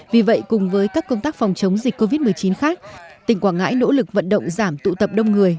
vì vậy cùng với các công tác phòng chống dịch covid một mươi chín khác tỉnh quảng ngãi nỗ lực vận động giảm tụ tập đông người